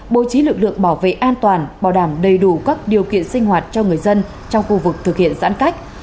bố trí lực lượng bảo vệ an toàn bảo đảm đầy đủ các điều kiện sinh hoạt cho người dân trong khu vực thực hiện giãn cách